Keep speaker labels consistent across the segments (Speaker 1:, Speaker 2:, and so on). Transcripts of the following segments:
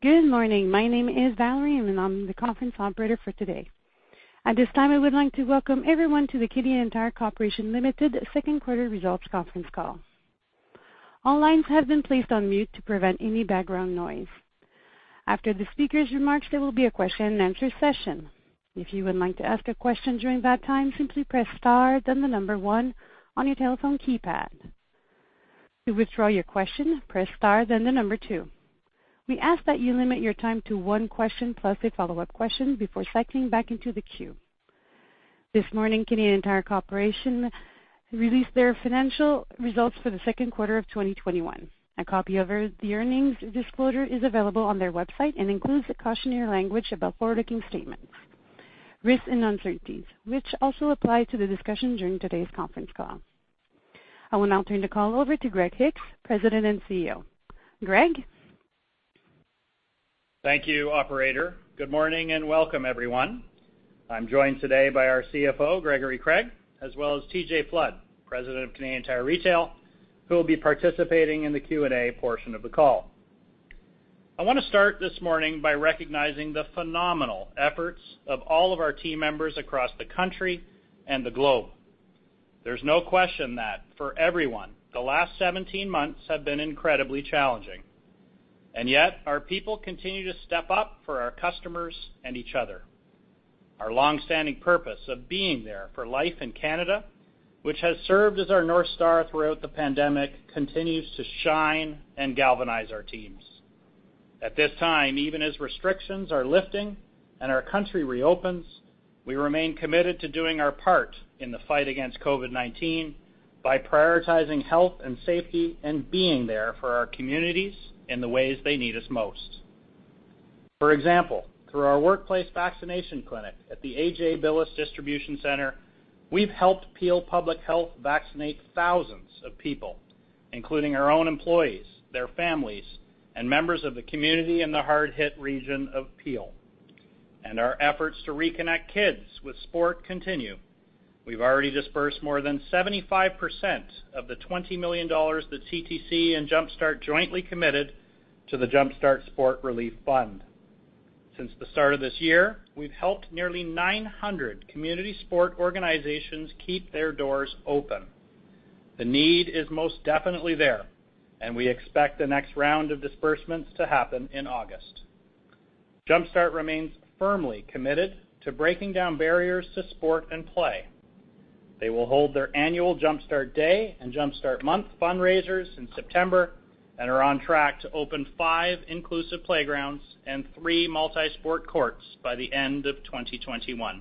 Speaker 1: Good morning. My name is Valerie, and I'm the conference operator for today. At this time, I would like to welcome everyone to the Canadian Tire Corporation, Limited second quarter results conference call. All lines have been placed on mute to prevent any background noise. After the speakers' remarks, there will be a question and answer session. If you would like to ask a question during that time, simply press star then the number one on your telephone keypad. To withdraw your question, press star then the number two. We ask that you limit your time to one question plus a follow-up question before cycling back into the queue. This morning, Canadian Tire Corporation released their financial results for the second quarter of 2021. A copy of the earnings disclosure is available on their website and includes the cautionary language about forward-looking statements, risks, and uncertainties, which also apply to the discussion during today's conference call. I will now turn the call over to Greg Hicks, President and CEO. Greg?
Speaker 2: Thank you, operator. Good morning and welcome, everyone. I'm joined today by our CFO, Gregory Craig, as well as TJ Flood, President of Canadian Tire Retail, who will be participating in the Q&A portion of the call. I want to start this morning by recognizing the phenomenal efforts of all of our team members across the country and the globe. There's no question that for everyone, the last 17 months have been incredibly challenging, and yet our people continue to step up for our customers and each other. Our long-standing purpose of being there for life in Canada, which has served as our North Star throughout the pandemic, continues to shine and galvanize our teams. At this time, even as restrictions are lifting and our country reopens, we remain committed to doing our part in the fight against COVID-19 by prioritizing health and safety and being there for our communities in the ways they need us most. For example, through our workplace vaccination clinic at the A.J. Billes Distribution Centre, we've helped Peel Public Health vaccinate thousands of people, including our own employees, their families, and members of the community in the hard-hit region of Peel. Our efforts to reconnect kids with sport continue. We've already disbursed more than 75% of the 20 million dollars the CTC and Jumpstart jointly committed to the Jumpstart Sport Relief Fund. Since the start of this year, we've helped nearly 900 community sport organizations keep their doors open. The need is most definitely there, and we expect the next round of disbursements to happen in August. Jumpstart remains firmly committed to breaking down barriers to sport and play. They will hold their annual Jumpstart Day and Jumpstart Month fundraisers in September and are on track to open five inclusive playgrounds and three multi-sport courts by the end of 2021.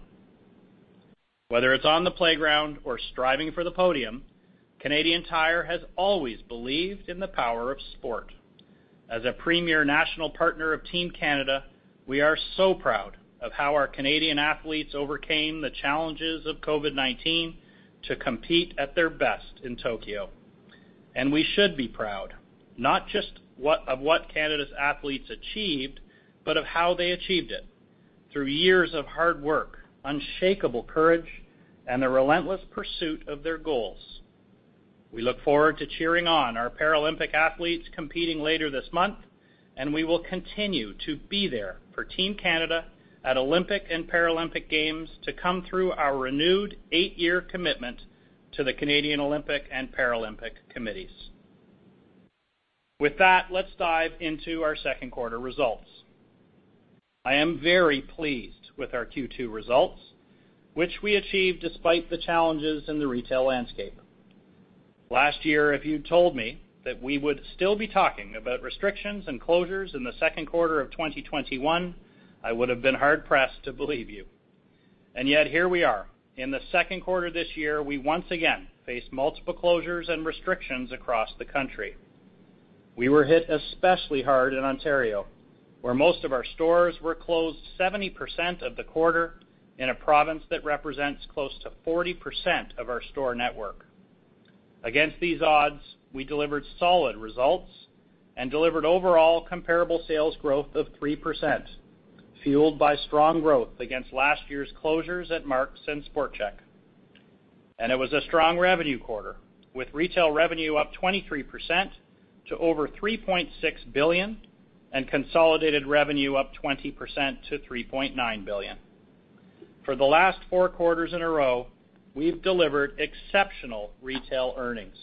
Speaker 2: Whether it's on the playground or striving for the podium, Canadian Tire has always believed in the power of sport. As a premier national partner of Team Canada, we are so proud of how our Canadian athletes overcame the challenges of COVID-19 to compete at their best in Tokyo. We should be proud, not just of what Canada's athletes achieved, but of how they achieved it. Through years of hard work, unshakable courage, and the relentless pursuit of their goals. We look forward to cheering on our Paralympic athletes competing later this month, and we will continue to be there for Team Canada at Olympic and Paralympic Games to come through our renewed eight-year commitment to the Canadian Olympic and Paralympic Committees. With that, let's dive into our second quarter results. I am very pleased with our Q2 results, which we achieved despite the challenges in the retail landscape. Last year, if you'd told me that we would still be talking about restrictions and closures in the second quarter of 2021, I would've been hard-pressed to believe you. Yet, here we are. In the second quarter of this year, we once again faced multiple closures and restrictions across the country. We were hit especially hard in Ontario, where most of our stores were closed 70% of the quarter in a province that represents close to 40% of our store network. Against these odds, we delivered solid results and delivered overall comparable sales growth of 3%, fueled by strong growth against last year's closures at Mark's and SportChek. It was a strong revenue quarter, with retail revenue up 23% to over 3.6 billion and consolidated revenue up 20% to 3.9 billion. For the last four quarters in a row, we've delivered exceptional retail earnings.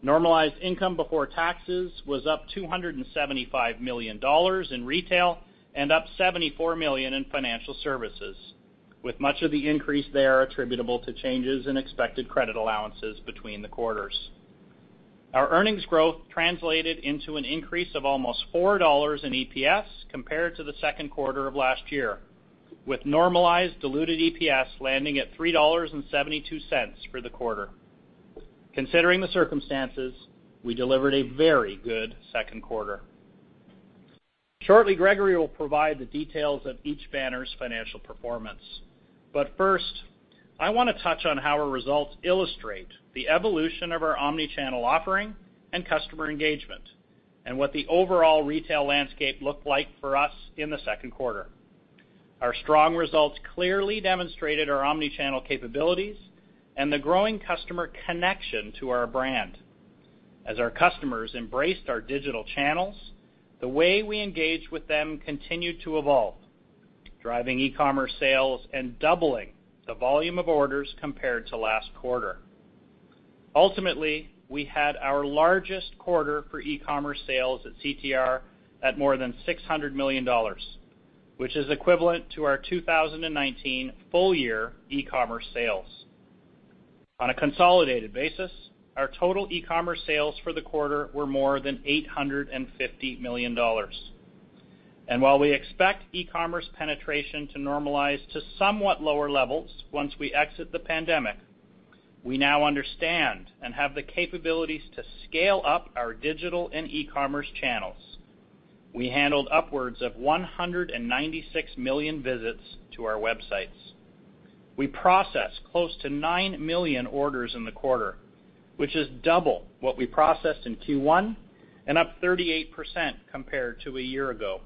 Speaker 2: Normalized income before taxes was up 275 million dollars in retail and up 74 million in financial services, with much of the increase there attributable to changes in expected credit allowances between the quarters. Our earnings growth translated into an increase of almost 4 dollars in EPS compared to the second quarter of last year, with normalized diluted EPS landing at 3.72 dollars for the quarter. Considering the circumstances, we delivered a very good second quarter. Shortly, Gregory will provide the details of each banner's financial performance. First, I want to touch on how our results illustrate the evolution of our omnichannel offering and customer engagement and what the overall retail landscape looked like for us in the second quarter. Our strong results clearly demonstrated our omnichannel capabilities and the growing customer connection to our brand. As our customers embraced our digital channels, the way we engage with them continued to evolve, driving e-commerce sales and doubling the volume of orders compared to last quarter. Ultimately, we had our largest quarter for e-commerce sales at CTR at more than 600 million dollars, which is equivalent to our 2019 full year e-commerce sales. On a consolidated basis, our total e-commerce sales for the quarter were more than 850 million dollars. While we expect e-commerce penetration to normalize to somewhat lower levels once we exit the pandemic, we now understand and have the capabilities to scale up our digital and e-commerce channels. We handled upwards of 196 million visits to our websites. We processed close to 9 million orders in the quarter, which is double what we processed in Q1, and up 38% compared to a year ago.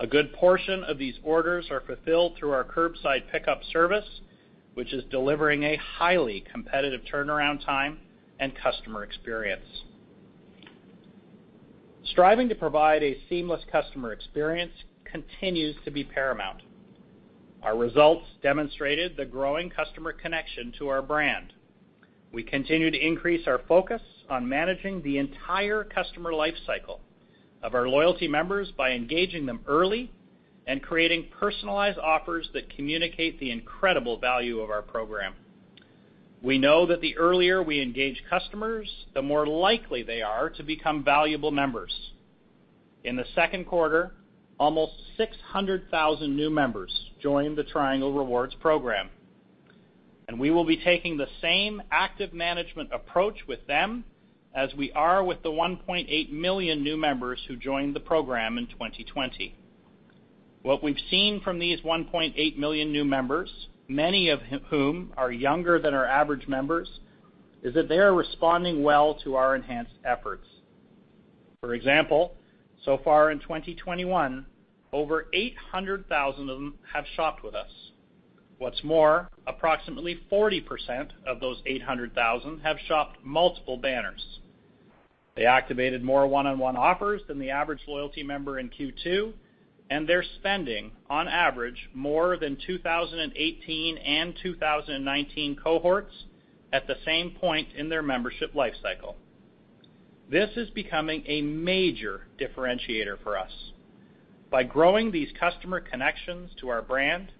Speaker 2: A good portion of these orders are fulfilled through our curbside pickup service, which is delivering a highly competitive turnaround time and customer experience. Striving to provide a seamless customer experience continues to be paramount. Our results demonstrated the growing customer connection to our brand. We continue to increase our focus on managing the entire customer life cycle of our loyalty members by engaging them early and creating personalized offers that communicate the incredible value of our program. We know that the earlier we engage customers, the more likely they are to become valuable members. In the second quarter, almost 600,000 new members joined the Triangle Rewards program, and we will be taking the same active management approach with them as we are with the 1.8 million new members who joined the program in 2020. What we've seen from these 1.8 million new members, many of whom are younger than our average members, is that they are responding well to our enhanced efforts. For example, so far in 2021, over 800,000 of them have shopped with us. What's more, approximately 40% of those 800,000 have shopped multiple banners. They activated more one-on-one offers than the average loyalty member in Q2, and they're spending, on average, more than 2018 and 2019 cohorts at the same point in their membership life cycle. This is becoming a major differentiator for us. By growing these customer connections to our brand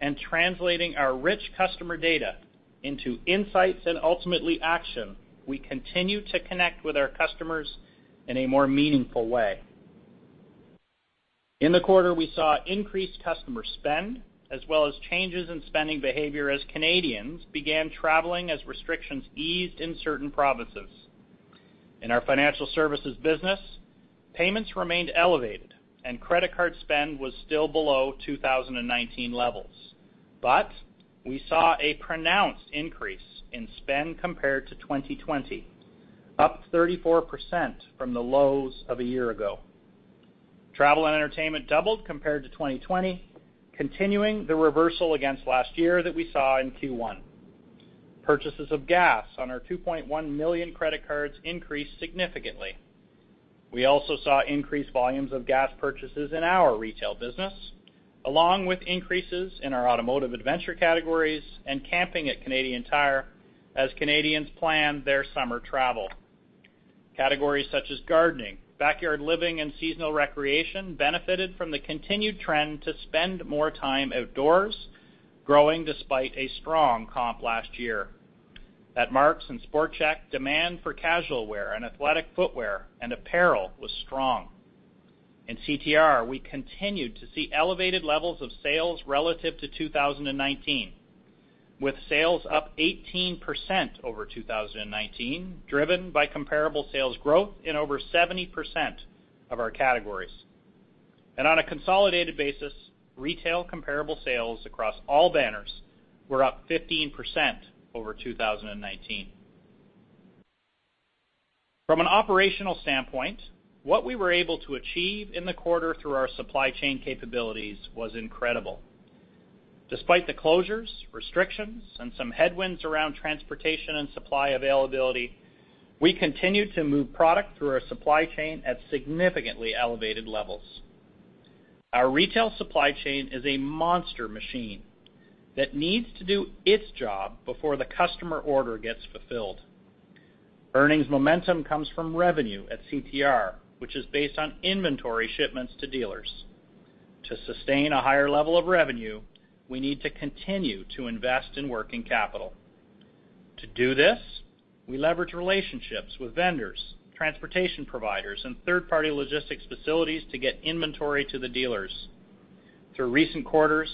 Speaker 2: and translating our rich customer data into insights and ultimately action, we continue to connect with our customers in a more meaningful way. In the quarter, we saw increased customer spend as well as changes in spending behavior as Canadians began traveling as restrictions eased in certain provinces. In our financial services business, payments remained elevated and credit card spend was still below 2019 levels. We saw a pronounced increase in spend compared to 2020, up 34% from the lows of a year ago. Travel and entertainment doubled compared to 2020, continuing the reversal against last year that we saw in Q1. Purchases of gas on our 2.1 million credit cards increased significantly. We also saw increased volumes of gas purchases in our retail business, along with increases in our automotive adventure categories and camping at Canadian Tire as Canadians plan their summer travel. Categories such as gardening, backyard living, and seasonal recreation benefited from the continued trend to spend more time outdoors, growing despite a strong comp last year. At Mark's and SportChek, demand for casual wear and athletic footwear and apparel was strong. In CTR, we continued to see elevated levels of sales relative to 2019, with sales up 18% over 2019, driven by comparable sales growth in over 70% of our categories. On a consolidated basis, retail comparable sales across all banners were up 15% over 2019. From an operational standpoint, what we were able to achieve in the quarter through our supply chain capabilities was incredible. Despite the closures, restrictions, and some headwinds around transportation and supply availability, we continued to move product through our supply chain at significantly elevated levels. Our retail supply chain is a monster machine that needs to do its job before the customer order gets fulfilled. Earnings momentum comes from revenue at CTR, which is based on inventory shipments to dealers. To sustain a higher level of revenue, we need to continue to invest in working capital. To do this, we leverage relationships with vendors, transportation providers, and third-party logistics facilities to get inventory to the dealers. Through recent quarters,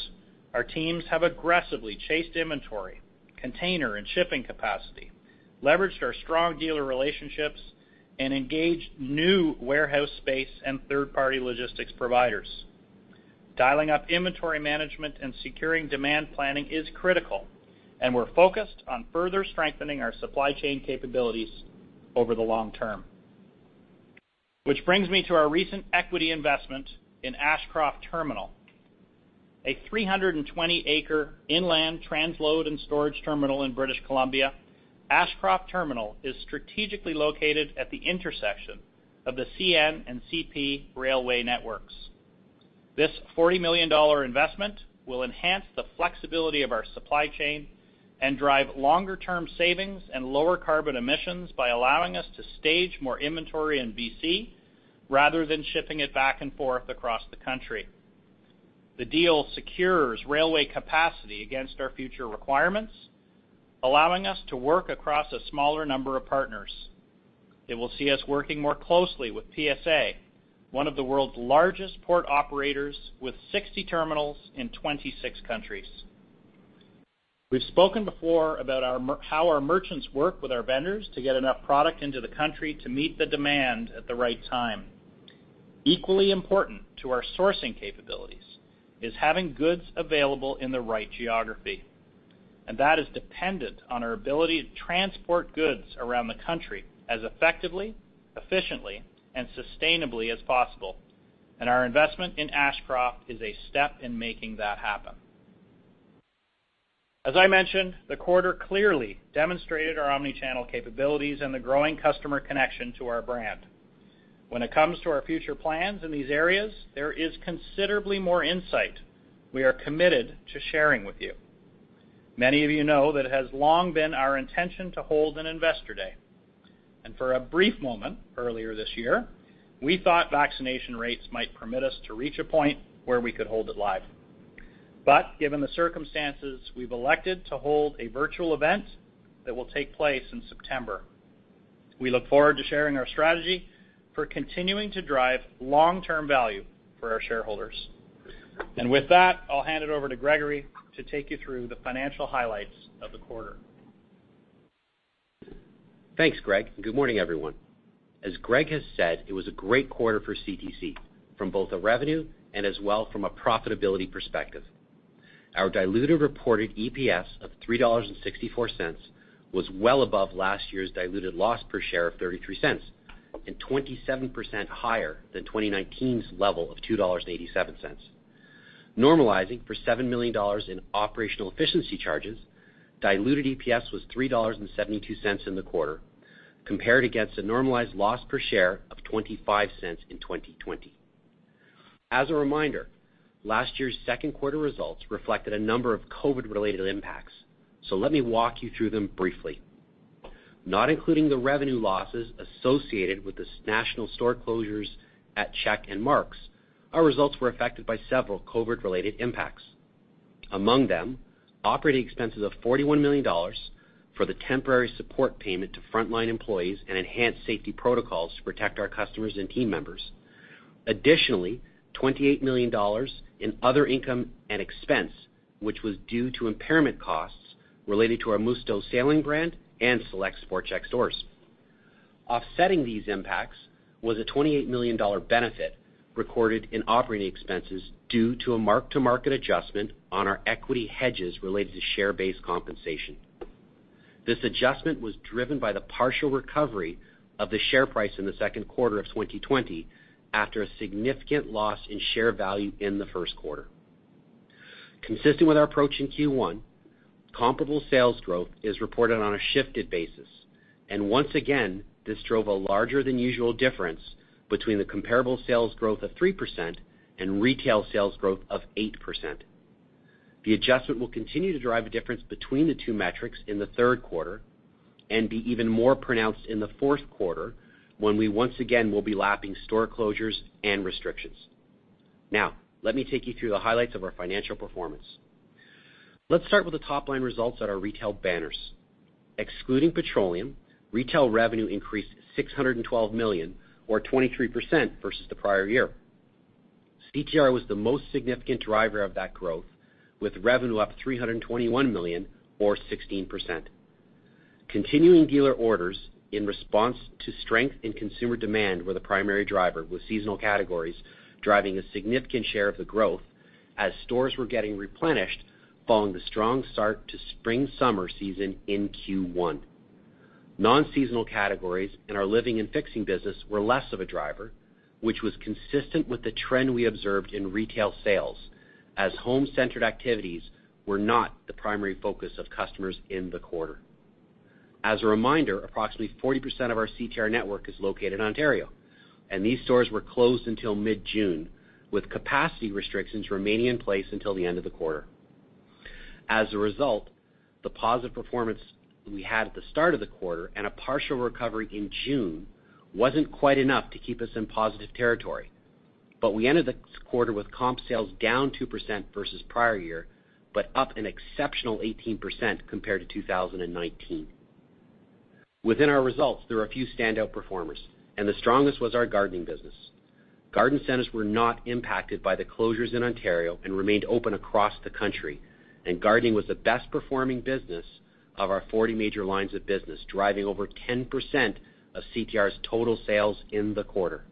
Speaker 2: our teams have aggressively chased inventory, container, and shipping capacity, leveraged our strong dealer relationships, and engaged new warehouse space and third-party logistics providers. Dialing up inventory management and securing demand planning is critical, and we're focused on further strengthening our supply chain capabilities over the long term. Brings me to our recent equity investment in Ashcroft Terminal, a 320-acre inland transload and storage terminal in British Columbia. Ashcroft Terminal is strategically located at the intersection of the CN and CP railway networks. This 40 million dollar investment will enhance the flexibility of our supply chain and drive longer-term savings and lower carbon emissions by allowing us to stage more inventory in BC rather than shipping it back and forth across the country. The deal secures railway capacity against our future requirements, allowing us to work across a smaller number of partners. It will see us working more closely with PSA, one of the world's largest port operators, with 60 terminals in 26 countries. We've spoken before about how our merchants work with our vendors to get enough product into the country to meet the demand at the right time. Equally important to our sourcing capabilities is having goods available in the right geography, and that is dependent on our ability to transport goods around the country as effectively, efficiently, and sustainably as possible. Our investment in Ashcroft is a step in making that happen. As I mentioned, the quarter clearly demonstrated our omnichannel capabilities and the growing customer connection to our brand. When it comes to our future plans in these areas, there is considerably more insight we are committed to sharing with you. Many of you know that it has long been our intention to hold an Investor Day, and for a brief moment earlier this year, we thought vaccination rates might permit us to reach a point where we could hold it live. Given the circumstances, we've elected to hold a virtual event that will take place in September. We look forward to sharing our strategy for continuing to drive long-term value for our shareholders. With that, I'll hand it over to Gregory to take you through the financial highlights of the quarter.
Speaker 3: Thanks, Greg. Good morning, everyone. Greg has said, it was a great quarter for CTC from both a revenue and as well from a profitability perspective. Our diluted reported EPS of 3.64 dollars was well above last year's diluted loss per share of 0.33 and 27% higher than 2019's level of 2.87 dollars. Normalizing for 7 million dollars in operational efficiency charges, diluted EPS was 3.72 dollars in the quarter, compared against a normalized loss per share of 0.25 in 2020. A reminder, last year's second quarter results reflected a number of COVID-related impacts. Let me walk you through them briefly. Not including the revenue losses associated with the national store closures at Chek and Mark's, our results were affected by several COVID-related impacts. Among them, operating expenses of 41 million dollars for the temporary support payment to frontline employees and enhanced safety protocols to protect our customers and team members. Additionally, 28 million dollars in other income and expense, which was due to impairment costs related to our Musto sailing brand and select SportChek stores. Offsetting these impacts was a 28 million dollar benefit recorded in operating expenses due to a mark-to-market adjustment on our equity hedges related to share-based compensation. This adjustment was driven by the partial recovery of the share price in the second quarter of 2020 after a significant loss in share value in the first quarter. Consistent with our approach in Q1, comparable sales growth is reported on a shifted basis, and once again, this drove a larger than usual difference between the comparable sales growth of 3% and retail sales growth of 8%. The adjustment will continue to drive a difference between the two metrics in the third quarter and be even more pronounced in the fourth quarter when we once again will be lapping store closures and restrictions. Now, let me take you through the highlights of our financial performance. Let's start with the top-line results at our retail banners. Excluding petroleum, retail revenue increased 612 million or 23% versus the prior year. CTR was the most significant driver of that growth, with revenue up 321 million or 16%. Continuing dealer orders in response to strength in consumer demand were the primary driver, with seasonal categories driving a significant share of the growth as stores were getting replenished following the strong start to spring-summer season in Q1. Non-seasonal categories in our living and fixing business were less of a driver, which was consistent with the trend we observed in retail sales, as home-centered activities were not the primary focus of customers in the quarter. As a reminder, approximately 40% of our CTR network is located in Ontario, and these stores were closed until mid-June, with capacity restrictions remaining in place until the end of the quarter. The positive performance we had at the start of the quarter and a partial recovery in June wasn't quite enough to keep us in positive territory, but we ended the quarter with comp sales down 2% versus prior year, but up an exceptional 18% compared to 2019. Within our results, there were a few standout performers, and the strongest was our gardening business. Garden centers were not impacted by the closures in Ontario and remained open across the country, and gardening was the best-performing business of our 40 major lines of business, driving over 10% of CTR's total sales in the quarter.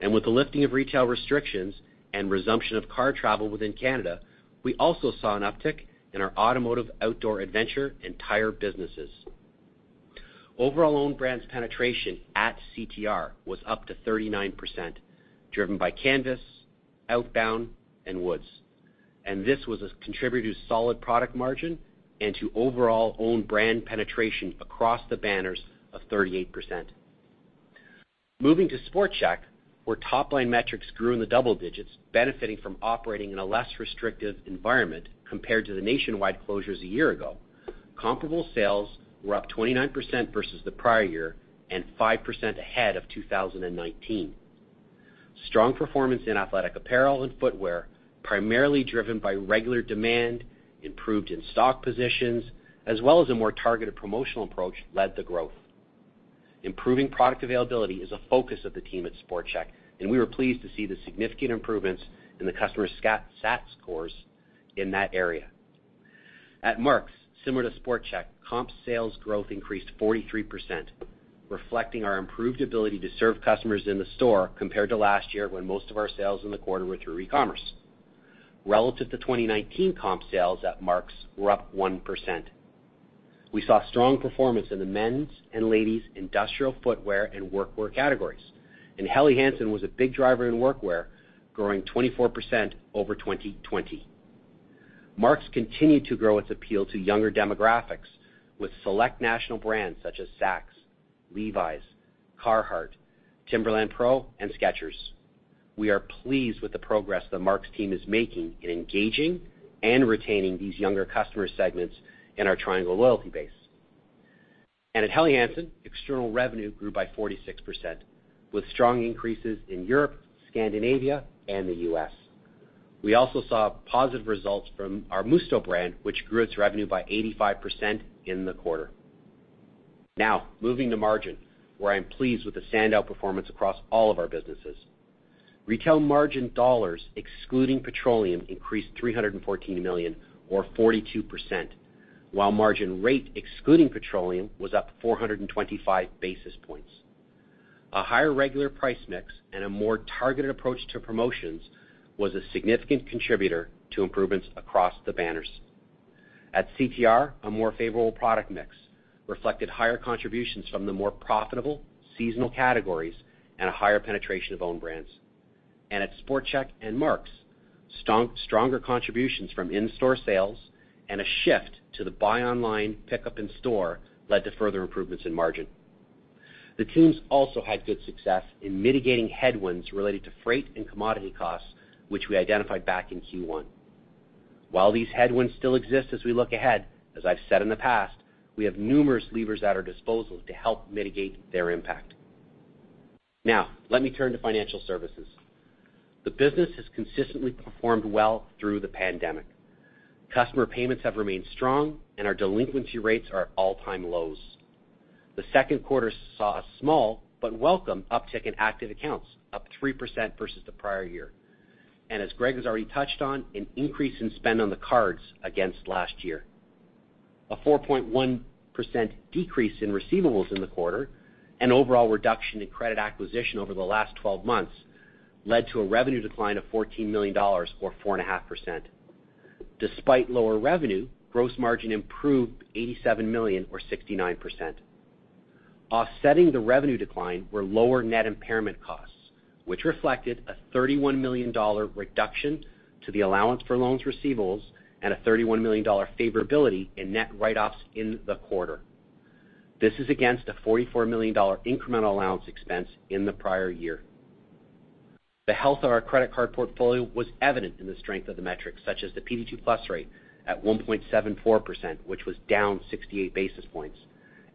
Speaker 3: With the lifting of retail restrictions and resumption of car travel within Canada, we also saw an uptick in our automotive outdoor adventure and tire businesses. Overall owned brands penetration at CTR was up to 39%, driven by CANVAS, Outbound, and Woods. This was a contributor to solid product margin and to overall owned brand penetration across the banners of 38%. Moving to SportChek, where top-line metrics grew in the double digits, benefiting from operating in a less restrictive environment compared to the nationwide closures a year ago. Comparable sales were up 29% versus the prior year, and 5% ahead of 2019. Strong performance in athletic apparel and footwear, primarily driven by regular demand, improved in stock positions, as well as a more targeted promotional approach, led the growth. Improving product availability is a focus of the team at SportChek, and we were pleased to see the significant improvements in the customer sat scores in that area. At Mark's, similar to SportChek, comp sales growth increased 43%, reflecting our improved ability to serve customers in the store compared to last year, when most of our sales in the quarter were through e-commerce. Relative to 2019, comp sales at Mark's were up 1%. We saw strong performance in the men's and ladies' industrial footwear and workwear categories, and Helly Hansen was a big driver in workwear, growing 24% over 2020. Mark's continued to grow its appeal to younger demographics with select national brands such as SAXX, Levi's, Carhartt, Timberland PRO and Skechers. We are pleased with the progress the Mark's team is making in engaging and retaining these younger customer segments in our Triangle loyalty base. At Helly Hansen, external revenue grew by 46%, with strong increases in Europe, Scandinavia, and the U.S. We also saw positive results from our Musto brand, which grew its revenue by 85% in the quarter. Moving to margin, where I'm pleased with the standout performance across all of our businesses. Retail margin dollars, excluding petroleum, increased 314 million or 42%, while margin rate excluding petroleum was up 425 basis points. A higher regular price mix and a more targeted approach to promotions was a significant contributor to improvements across the banners. At CTR, a more favorable product mix reflected higher contributions from the more profitable seasonal categories and a higher penetration of own brands. At SportChek and Mark's, stronger contributions from in-store sales and a shift to the buy online, pickup in store led to further improvements in margin. The teams also had good success in mitigating headwinds related to freight and commodity costs, which we identified back in Q1. While these headwinds still exist as we look ahead, as I've said in the past, we have numerous levers at our disposal to help mitigate their impact. Let me turn to financial services. The business has consistently performed well through the pandemic. Customer payments have remained strong, and our delinquency rates are at all-time lows. The second quarter saw a small but welcome uptick in active accounts, up 3% versus the prior year. As Greg has already touched on, an increase in spend on the cards against last year. A 4.1% decrease in receivables in the quarter, an overall reduction in credit acquisition over the last 12 months led to a revenue decline of 14 million dollars or 4.5%. Despite lower revenue, gross margin improved 87 million or 69%. Offsetting the revenue decline were lower net impairment costs, which reflected a 31 million dollar reduction to the allowance for loans receivables and a 31 million dollar favorability in net write-offs in the quarter. This is against a 44 million dollar incremental allowance expense in the prior year. The health of our credit card portfolio was evident in the strength of the metrics, such as the PD 2+ rate at 1.74%, which was down 68 basis points,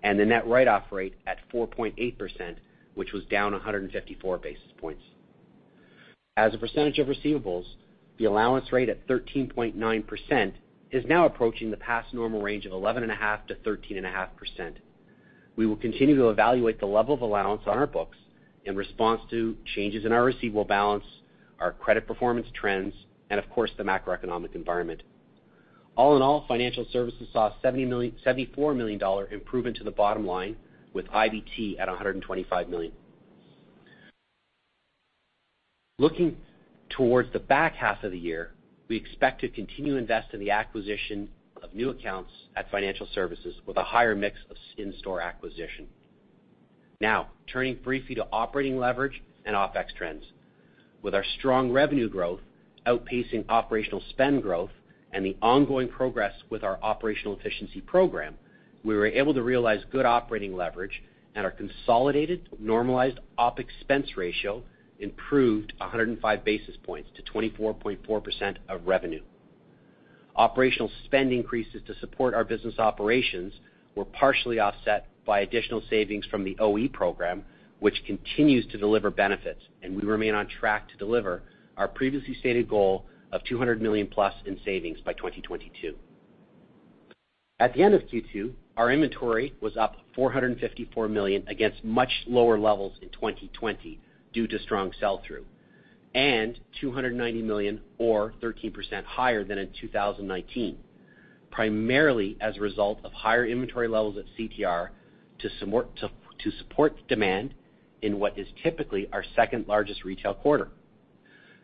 Speaker 3: and the net write-off rate at 4.8%, which was down 154 basis points. As a percentage of receivables, the allowance rate at 13.9% is now approaching the past normal range of 11.5%-13.5%. We will continue to evaluate the level of allowance on our books in response to changes in our receivable balance, our credit performance trends, and of course, the macroeconomic environment. All in all, financial services saw a 74 million dollar improvement to the bottom line with IBT at 125 million. Looking towards the back half of the year, we expect to continue to invest in the acquisition of new accounts at financial services with a higher mix of in-store acquisition. Now turning briefly to operating leverage and OpEx trends. With our strong revenue growth outpacing operational spend growth and the ongoing progress with our operational efficiency program, we were able to realize good operating leverage and our consolidated normalized Op expense ratio improved 105 basis points to 24.4% of revenue. Operational spend increases to support our business operations were partially offset by additional savings from the OE program, which continues to deliver benefits, and we remain on track to deliver our previously stated goal of 200+ million in savings by 2022. At the end of Q2, our inventory was up 454 million against much lower levels in 2020 due to strong sell-through, and 290 million or 13% higher than in 2019. Primarily as a result of higher inventory levels at CTR to support demand in what is typically our second-largest retail quarter.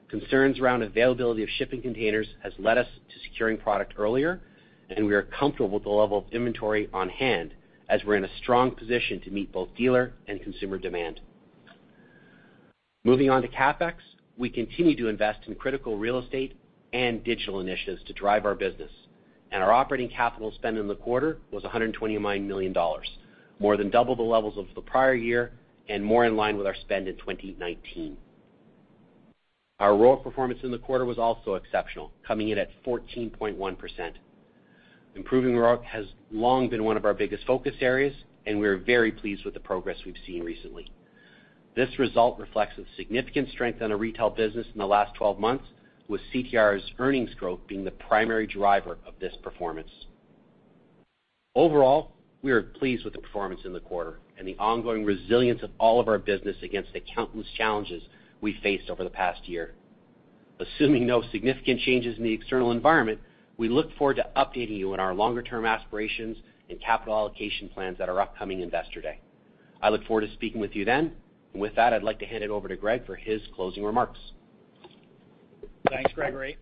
Speaker 3: Concerns around availability of shipping containers has led us to securing product earlier, and we are comfortable with the level of inventory on hand, as we're in a strong position to meet both dealer and consumer demand. Moving on to CapEx, we continue to invest in critical real estate and digital initiatives to drive our business. Our operating capital spend in the quarter was 129 million dollars, more than double the levels of the prior year and more in line with our spend in 2019. Our ROIC performance in the quarter was also exceptional, coming in at 14.1%. Improving ROIC has long been one of our biggest focus areas. We are very pleased with the progress we've seen recently. This result reflects the significant strength in our retail business in the last 12 months, with CTR's earnings growth being the primary driver of this performance. Overall, we are pleased with the performance in the quarter and the ongoing resilience of all of our business against the countless challenges we faced over the past year. Assuming no significant changes in the external environment, we look forward to updating you on our longer-term aspirations and capital allocation plans at our upcoming Investor Day. I look forward to speaking with you then. With that, I'd like to hand it over to Greg for his closing remarks.
Speaker 2: Thanks, Gregory.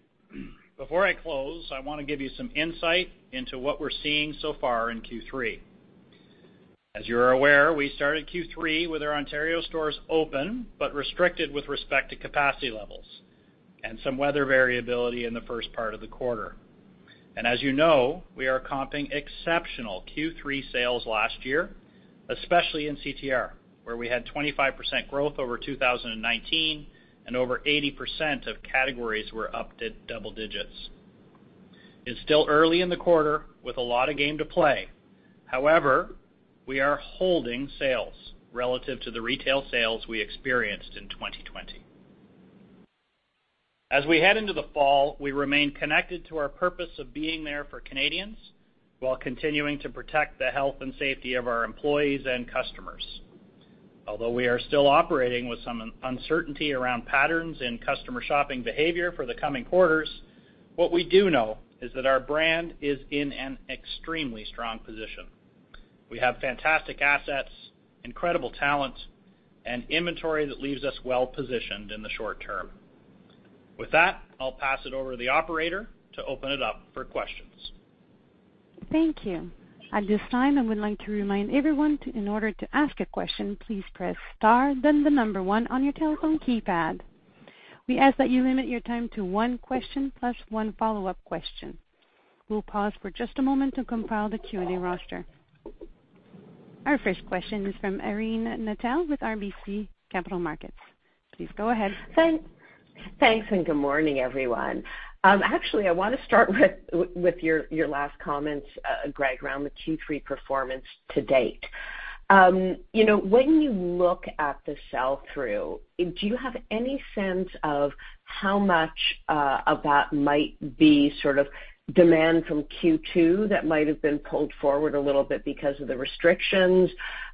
Speaker 2: Before I close, I want to give you some insight into what we're seeing so far in Q3. As you are aware, we started Q3 with our Ontario stores open but restricted with respect to capacity levels, and some weather variability in the first part of the quarter. As you know, we are comping exceptional Q3 sales last year, especially in CTR, where we had 25% growth over 2019 and over 80% of categories were up to double digits. It's still early in the quarter with a lot of game to play. However, we are holding sales relative to the retail sales we experienced in 2020. As we head into the fall, we remain connected to our purpose of being there for Canadians while continuing to protect the health and safety of our employees and customers. Although we are still operating with some uncertainty around patterns in customer shopping behavior for the coming quarters, what we do know is that our brand is in an extremely strong position. We have fantastic assets, incredible talent, and inventory that leaves us well-positioned in the short term. With that, I will pass it over to the operator to open it up for questions.
Speaker 1: Thank you. At this time, I would like to remind everyone in order to ask a question, please press star then one on your telephone keypad. We ask that you limit your time to one question plus one follow-up question. We'll pause for just a moment to compile the Q&A roster. Our first question is from Irene Nattel with RBC Capital Markets. Please go ahead.
Speaker 4: Thanks. Good morning, everyone. Actually, I want to start with your last comments, Greg, around the Q3 performance to date. When you look at the sell-through, do you have any sense of how much of that might be sort of demand from Q2 that might have been pulled forward a little bit because of the restrictions?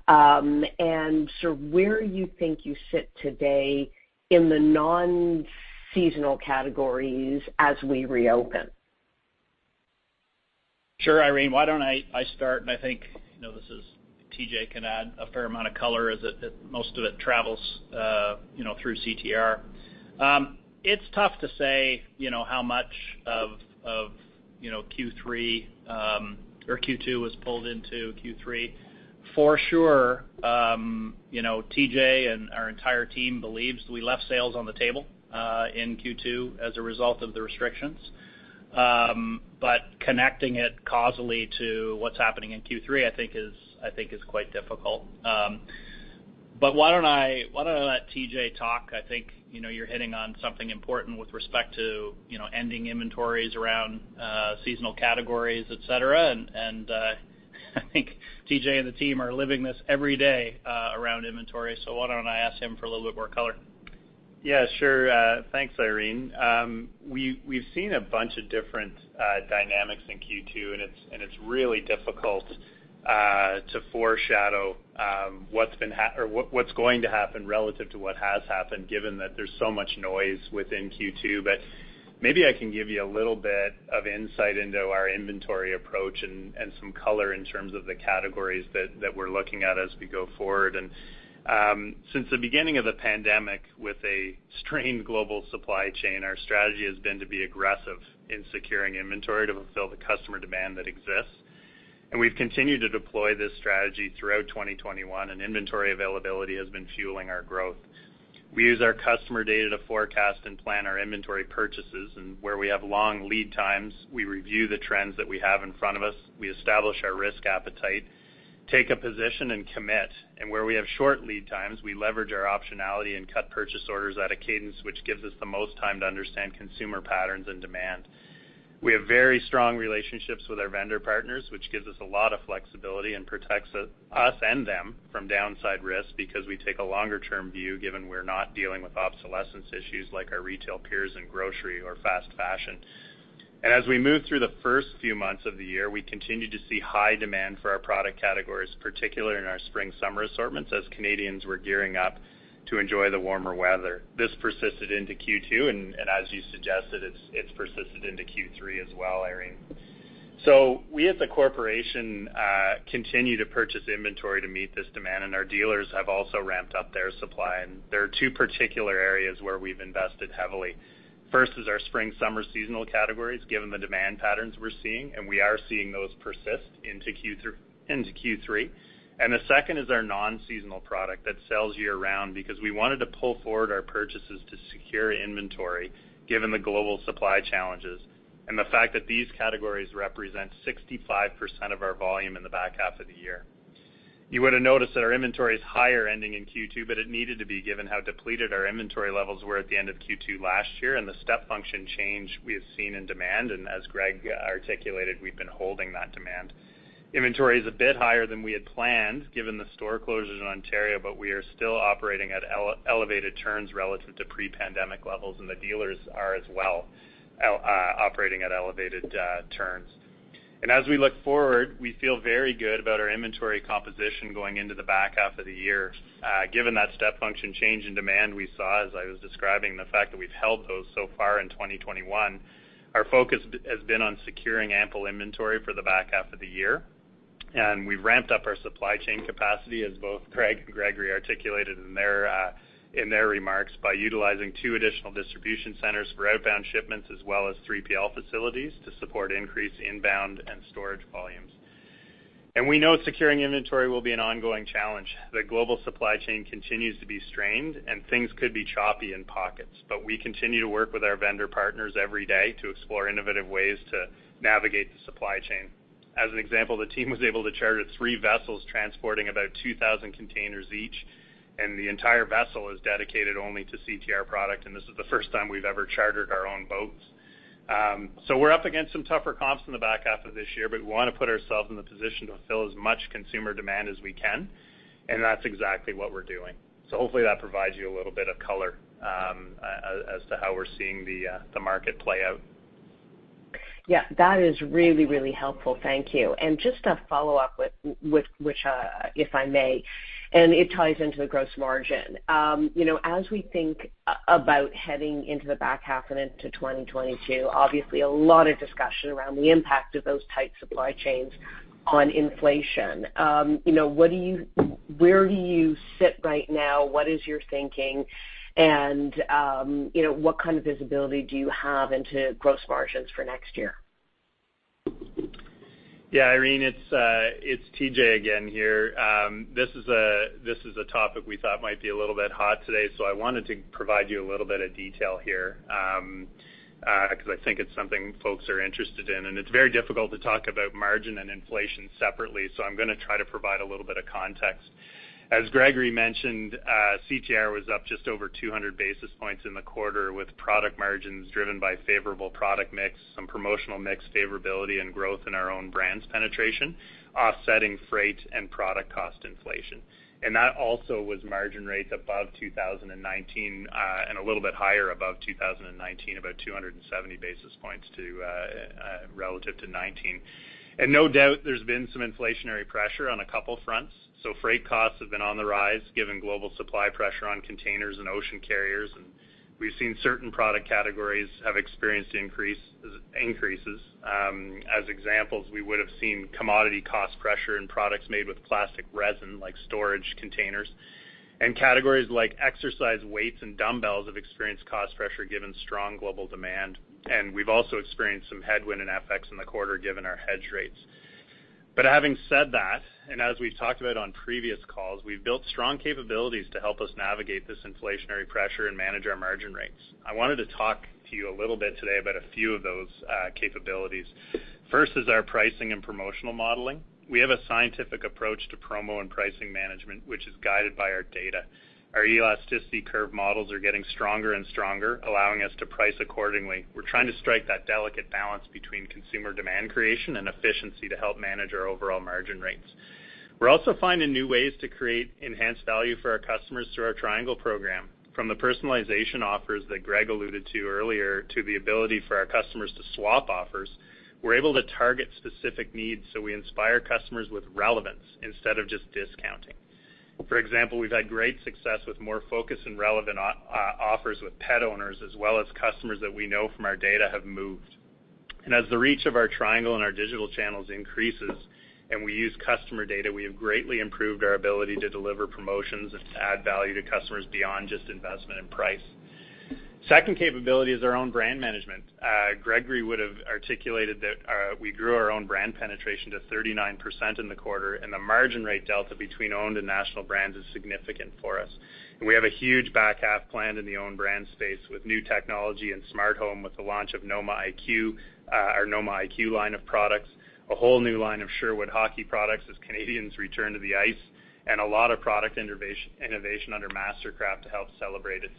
Speaker 4: Sort of where you think you sit today in the non-seasonal categories as we reopen.
Speaker 2: Sure, Irene, why don't I start, and I think TJ can add a fair amount of color, as most of it travels through CTR. It's tough to say how much of Q3 or Q2 was pulled into Q3. For sure, TJ and our entire team believes we left sales on the table in Q2 as a result of the restrictions. Connecting it causally to what's happening in Q3, I think is quite difficult. Why don't I let TJ talk? I think you're hitting on something important with respect to ending inventories around seasonal categories, et cetera, and I think TJ and the team are living this every day around inventory. Why don't I ask him for a little bit more color?
Speaker 5: Yeah, sure. Thanks, Irene. We've seen a bunch of different dynamics in Q2, and it's really difficult to foreshadow what's going to happen relative to what has happened, given that there's so much noise within Q2. Maybe I can give you a little bit of insight into our inventory approach and some color in terms of the categories that we're looking at as we go forward. Since the beginning of the pandemic, with a strained global supply chain, our strategy has been to be aggressive in securing inventory to fulfill the customer demand that exists. We've continued to deploy this strategy throughout 2021, and inventory availability has been fueling our growth. We use our customer data to forecast and plan our inventory purchases, and where we have long lead times, we review the trends that we have in front of us. We establish our risk appetite, take a position, and commit. Where we have short lead times, we leverage our optionality and cut purchase orders at a cadence, which gives us the most time to understand consumer patterns and demand. We have very strong relationships with our vendor partners, which gives us a lot of flexibility and protects us and them from downside risk because we take a longer-term view, given we're not dealing with obsolescence issues like our retail peers in grocery or fast fashion. As we move through the first few months of the year, we continue to see high demand for our product categories, particularly in our spring/summer assortments as Canadians were gearing up to enjoy the warmer weather. This persisted into Q2, and as you suggested, it's persisted into Q3 as well, Irene. So we as a corporation, continue to purchase inventory to meet this demand, and our dealers have also ramped up their supply. There are two particular areas where we've invested heavily. First is our spring/summer seasonal categories, given the demand patterns we're seeing, and we are seeing those persist into Q3. The second is our non-seasonal product that sells year-round because we wanted to pull forward our purchases to secure inventory given the global supply challenges and the fact that these categories represent 65% of our volume in the back half of the year. You would have noticed that our inventory is higher ending in Q2, but it needed to be given how depleted our inventory levels were at the end of Q2 last year, and the step function change we have seen in demand. As Greg articulated, we've been holding that demand. Inventory is a bit higher than we had planned given the store closures in Ontario, but we are still operating at elevated turns relative to pre-pandemic levels, and the dealers are as well operating at elevated turns. As we look forward, we feel very good about our inventory composition going into the back half of the year. Given that step function change in demand we saw, as I was describing, the fact that we've held those so far in 2021, our focus has been on securing ample inventory for the back half of the year. We've ramped up our supply chain capacity as both Craig and Gregory articulated in their remarks by utilizing two additional distribution centers for outbound shipments as well as 3PL facilities to support increased inbound and storage volumes. We know securing inventory will be an ongoing challenge. The global supply chain continues to be strained and things could be choppy in pockets, we continue to work with our vendor partners every day to explore innovative ways to navigate the supply chain. As an example, the team was able to charter three vessels transporting about 2,000 containers each, the entire vessel is dedicated only to CTR product, this is the first time we've ever chartered our own boats. We're up against some tougher comps in the back half of this year, but we want to put ourselves in the position to fulfill as much consumer demand as we can, and that's exactly what we're doing. Hopefully that provides you a little bit of color as to how we're seeing the market play out.
Speaker 4: Yeah, that is really helpful. Thank you. Just a follow-up, if I may, and it ties into the gross margin. As we think about heading into the back half and into 2022, obviously a lot of discussion around the impact of those tight supply chains on inflation. Where do you sit right now? What is your thinking? What kind of visibility do you have into gross margins for next year?
Speaker 5: Yeah, Irene, it's TJ again here. This is a topic we thought might be a little bit hot today, so I wanted to provide you a little bit of detail here, because I think it's something folks are interested in. It's very difficult to talk about margin and inflation separately, so I'm going to try to provide a little bit of context. As Gregory mentioned, CTR was up just over 200 basis points in the quarter with product margins driven by favorable product mix, some promotional mix favorability, and growth in our own brands penetration, offsetting freight and product cost inflation. That also was margin rates above 2019, and a little bit higher above 2019, about 270 basis points relative to 2019. No doubt, there's been some inflationary pressure on a couple fronts. Freight costs have been on the rise given global supply pressure on containers and ocean carriers, and we've seen certain product categories have experienced increases. As examples, we would have seen commodity cost pressure in products made with plastic resin like storage containers, and categories like exercise weights and dumbbells have experienced cost pressure given strong global demand. We've also experienced some headwind in FX in the quarter given our hedge rates. Having said that, and as we've talked about on previous calls, we've built strong capabilities to help us navigate this inflationary pressure and manage our margin rates. I wanted to talk to you a little bit today about a few of those capabilities. First is our pricing and promotional modeling. We have a scientific approach to promo and pricing management, which is guided by our data. Our elasticity curve models are getting stronger and stronger, allowing us to price accordingly. We're trying to strike that delicate balance between consumer demand creation and efficiency to help manage our overall margin rates. We're also finding new ways to create enhanced value for our customers through our Triangle program. From the personalization offers that Greg alluded to earlier, to the ability for our customers to swap offers, we're able to target specific needs so we inspire customers with relevance instead of just discounting. For example, we've had great success with more focused and relevant offers with pet owners, as well as customers that we know from our data have moved. As the reach of our Triangle and our digital channels increases and we use customer data, we have greatly improved our ability to deliver promotions and to add value to customers beyond just investment and price. Second capability is our own brand management. Gregory would've articulated that we grew our own brand penetration to 39% in the quarter. The margin rate delta between owned and national brands is significant for us. We have a huge back half planned in the own brand space with new technology and smart home with the launch of NOMA iQ, our NOMA iQ line of products. A whole new line of Sherwood hockey products as Canadians return to the ice, and a lot of product innovation under Mastercraft to help celebrate its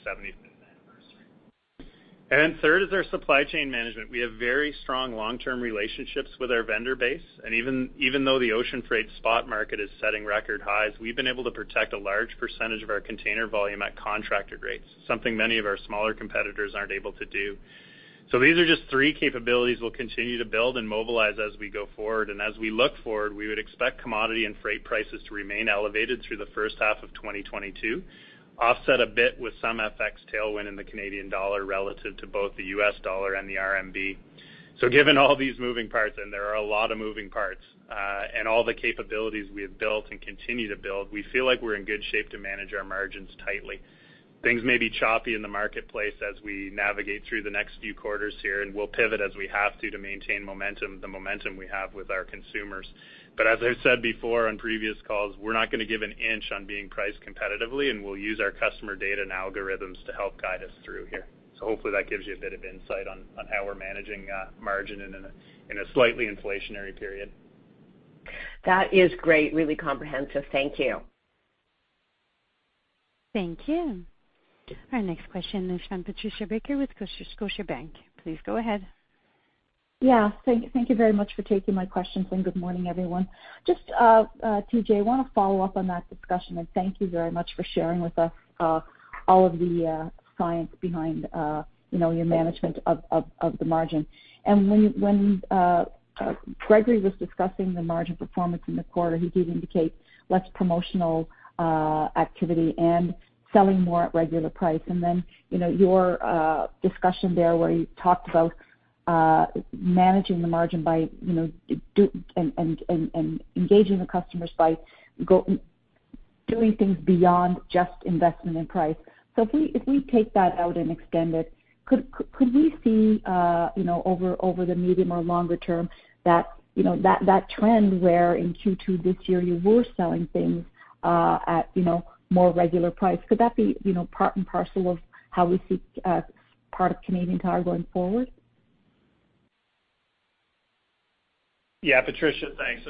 Speaker 5: 75th anniversary. Third is our supply chain management. We have very strong long-term relationships with our vendor base, and even though the ocean freight spot market is setting record highs, we've been able to protect a large percentage of our container volume at contractor rates, something many of our smaller competitors aren't able to do. These are just three capabilities we'll continue to build and mobilize as we go forward. As we look forward, we would expect commodity and freight prices to remain elevated through the first half of 2022, offset a bit with some FX tailwind in the Canadian dollar relative to both the U.S. dollar and the RMB. Given all these moving parts, and there are a lot of moving parts, and all the capabilities we have built and continue to build, we feel like we're in good shape to manage our margins tightly. Things may be choppy in the marketplace as we navigate through the next few quarters here, and we'll pivot as we have to maintain the momentum we have with our consumers. As I've said before on previous calls, we're not going to give an inch on being priced competitively, and we'll use our customer data and algorithms to help guide us through here. Hopefully that gives you a bit of insight on how we're managing margin in a slightly inflationary period.
Speaker 4: That is great, really comprehensive. Thank you.
Speaker 1: Thank you. Our next question is from Patricia Baker with Scotiabank. Please go ahead.
Speaker 6: Yeah. Thank you very much for taking my questions, good morning, everyone. TJ, I want to follow up on that discussion, thank you very much for sharing with us all of the science behind your management of the margin. When Gregory was discussing the margin performance in the quarter, he did indicate less promotional activity and selling more at regular price. Your discussion there where you talked about managing the margin and engaging the customers by doing things beyond just investment in price. If we take that out and extend it, could we see over the medium or longer term that trend where in Q2 this year you were selling things at more regular price? Could that be part and parcel of how we see part of Canadian Tire going forward?
Speaker 5: Yeah, Patricia, thanks.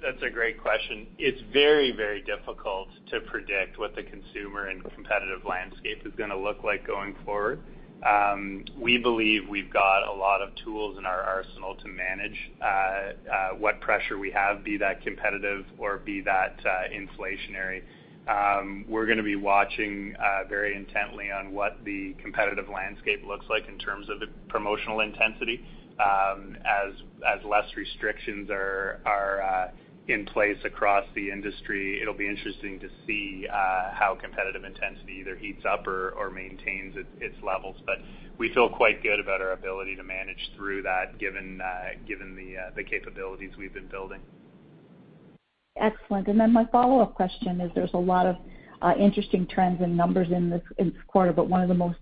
Speaker 5: That's a great question. It's very difficult to predict what the consumer and competitive landscape is going to look like going forward. We believe we've got a lot of tools in our arsenal to manage what pressure we have, be that competitive or be that inflationary. We're going to be watching very intently on what the competitive landscape looks like in terms of the promotional intensity. As less restrictions are in place across the industry, it'll be interesting to see how competitive intensity either heats up or maintains its levels. We feel quite good about our ability to manage through that, given the capabilities we've been building.
Speaker 6: Excellent. My follow-up question is, there's a lot of interesting trends and numbers in this quarter, but one of the most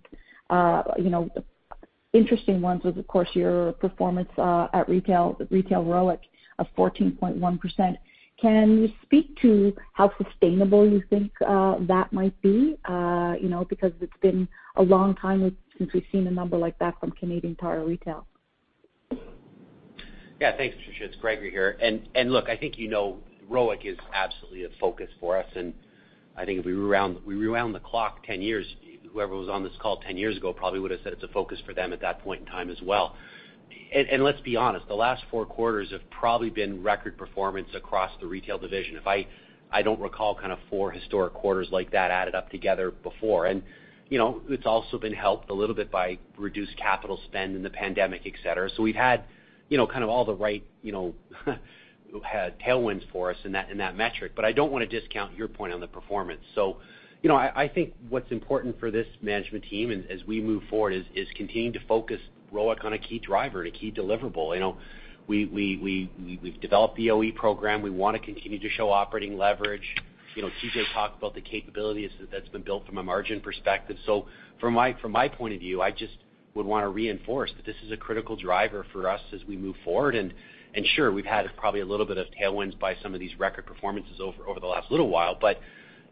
Speaker 6: interesting ones was, of course, your performance at retail ROIC of 14.1%. Can you speak to how sustainable you think that might be? It's been a long time since we've seen a number like that from Canadian Tire Retail.
Speaker 3: Yeah. Thanks, Patricia. It's Gregory here. Look, I think you know ROIC is absolutely a focus for us, and I think if we round the clock 10 years, whoever was on this call 10 years ago probably would've said it's a focus for them at that point in time as well. Let's be honest, the last four quarters have probably been record performance across the retail division. I do not recall kind of four historic quarters like that added up together before. It's also been helped a little bit by reduced capital spend in the pandemic, et cetera. We've had kind of all the right tailwinds for us in that metric, but I don't want to discount your point on the performance. I think what's important for this management team as we move forward is continuing to focus ROIC on a key driver and a key deliverable. We've developed the OE program. We want to continue to show operating leverage. TJ talked about the capabilities that's been built from a margin perspective. From my point of view, I just would want to reinforce that this is a critical driver for us as we move forward. Sure, we've had probably a little bit of tailwinds by some of these record performances over the last little while, but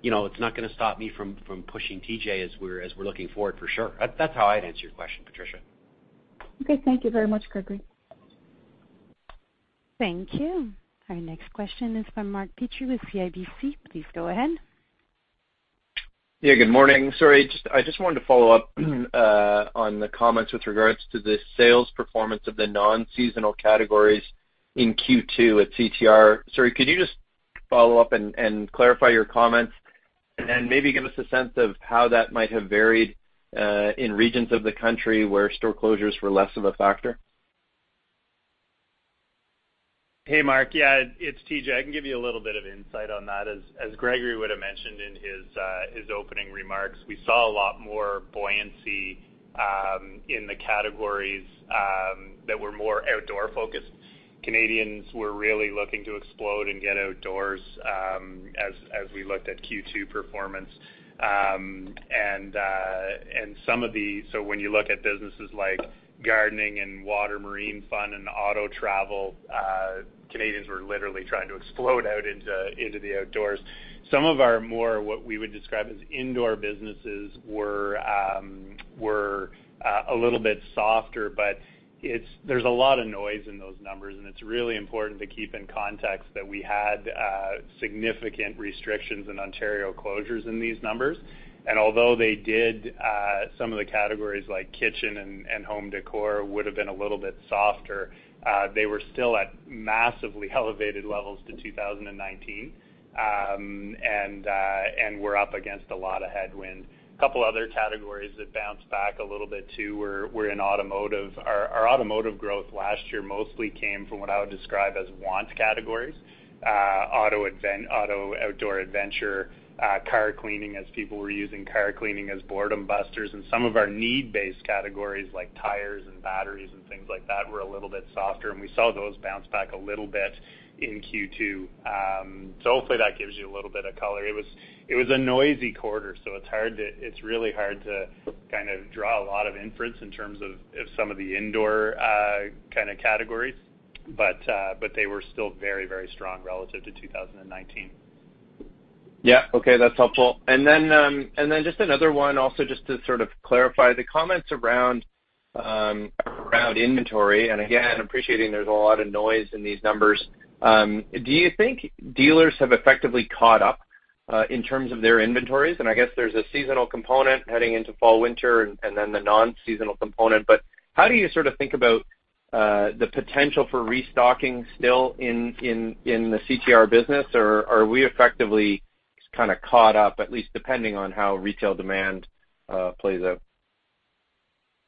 Speaker 3: it's not going to stop me from pushing TJ as we're looking forward, for sure. That's how I'd answer your question, Patricia.
Speaker 6: Okay. Thank you very much, Gregory.
Speaker 1: Thank you. Our next question is from Mark Petrie with CIBC. Please go ahead.
Speaker 7: Yeah, good morning. Sorry, I just wanted to follow up on the comments with regards to the sales performance of the non-seasonal categories in Q2 at CTR. Sorry, could you just follow up and clarify your comments and maybe give us a sense of how that might have varied in regions of the country where store closures were less of a factor?
Speaker 5: Hey, Mark. Yeah, it's TJ. I can give you a little bit of insight on that. As Gregory would've mentioned in his opening remarks, we saw a lot more buoyancy in the categories that were more outdoor focused. Canadians were really looking to explode and get outdoors as we looked at Q2 performance. When you look at businesses like gardening and water marine fun and auto travel, Canadians were literally trying to explode out into the outdoors. Some of our more, what we would describe as indoor businesses were a little bit softer, but there's a lot of noise in those numbers, and it's really important to keep in context that we had significant restrictions and Ontario closures in these numbers. Although they did some of the categories like kitchen and home decor would've been a little bit softer, they were still at massively elevated levels to 2019, and were up against a lot of headwind. A couple other categories that bounced back a little bit, too, were in automotive. Our automotive growth last year mostly came from what I would describe as want categories. Auto outdoor adventure, car cleaning as people were using car cleaning as boredom busters, and some of our need-based categories like tires and batteries and things like that were a little bit softer, and we saw those bounce back a little bit in Q2. Hopefully that gives you a little bit of color. It was a noisy quarter, so it's really hard to draw a lot of inference in terms of some of the indoor kind of categories. They were still very, very strong relative to 2019.
Speaker 7: Yeah. Okay, that's helpful. Then just another one also just to sort of clarify the comments around inventory, and again, appreciating there's a lot of noise in these numbers. Do you think dealers have effectively caught up, in terms of their inventories? I guess there's a seasonal component heading into fall/winter and then the non-seasonal component, but how do you sort of think about the potential for restocking still in the CTR business, or are we effectively just kind of caught up, at least depending on how retail demand plays out?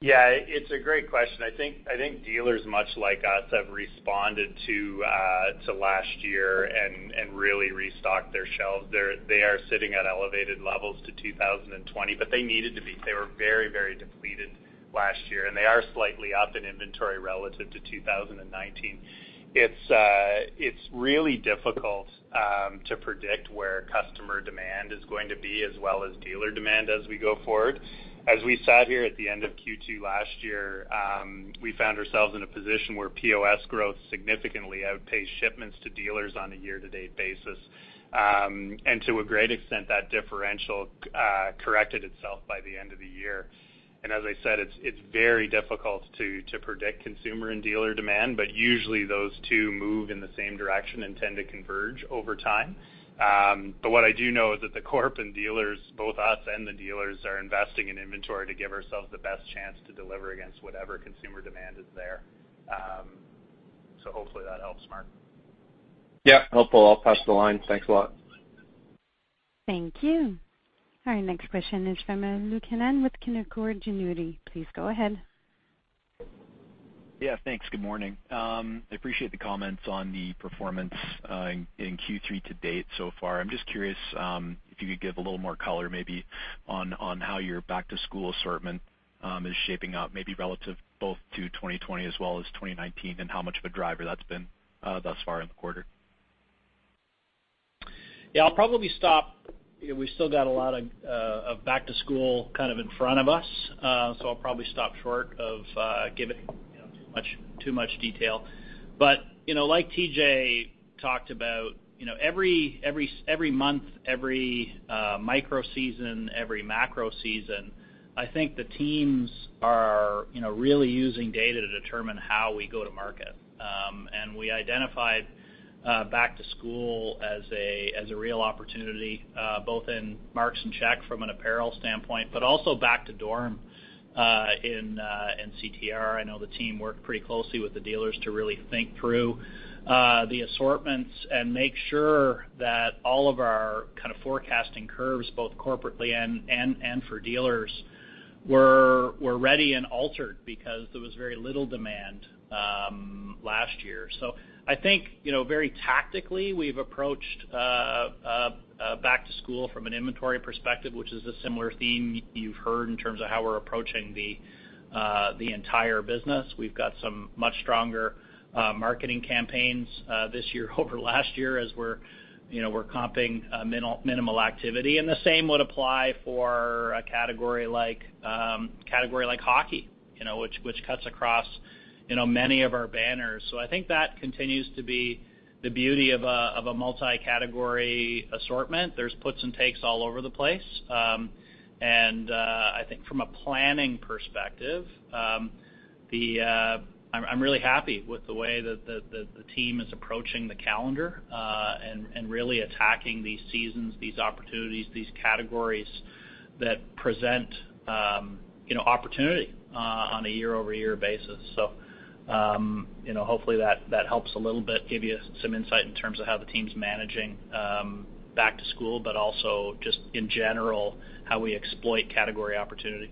Speaker 5: Yeah, it's a great question. I think dealers, much like us, have responded to last year and really restocked their shelves. They are sitting at elevated levels to 2020, but they needed to be. They were very, very depleted last year, they are slightly up in inventory relative to 2019. It's really difficult to predict where customer demand is going to be, as well as dealer demand as we go forward. As we sat here at the end of Q2 last year, we found ourselves in a position where POS growth significantly outpaced shipments to dealers on a year-to-date basis. To a great extent, that differential corrected itself by the end of the year. As I said, it's very difficult to predict consumer and dealer demand, but usually those two move in the same direction and tend to converge over time. What I do know is that the corp and dealers, both us and the dealers, are investing in inventory to give ourselves the best chance to deliver against whatever consumer demand is there. Hopefully that helps, Mark.
Speaker 7: Yeah, helpful. I'll pass the line. Thanks a lot.
Speaker 1: Thank you. All right, next question is from Luke Hannan with Canaccord Genuity. Please go ahead.
Speaker 8: Yeah, thanks. Good morning. I appreciate the comments on the performance in Q3 to date so far. I'm just curious, if you could give a little more color maybe on how your back-to-school assortment is shaping up, maybe relative both to 2020 as well as 2019, and how much of a driver that's been thus far in the quarter.
Speaker 2: We still got a lot of back to school kind of in front of us. I'll probably stop short of giving too much detail. Like TJ talked about, every month, every micro season, every macro season, I think the teams are really using data to determine how we go to market. We identified back to school as a real opportunity, both in Mark's and Chek from an apparel standpoint, but also back to dorm in CTR. I know the team worked pretty closely with the dealers to really think through the assortments and make sure that all of our kind of forecasting curves, both corporately and for dealers, were ready and altered because there was very little demand last year. I think very tactically, we've approached back to school from an inventory perspective, which is a similar theme you've heard in terms of how we're approaching the entire business. We've got some much stronger marketing campaigns this year over last year as we're comping minimal activity. The same would apply for a category like hockey which cuts across many of our banners. I think that continues to be the beauty of a multi-category assortment. There's puts and takes all over the place. I think from a planning perspective, I'm really happy with the way that the team is approaching the calendar, and really attacking these seasons, these opportunities, these categories that present opportunity on a year-over-year basis. Hopefully that helps a little bit give you some insight in terms of how the team's managing back to school, but also just in general, how we exploit category opportunity.